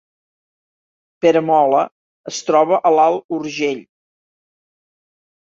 Peramola es troba a l’Alt Urgell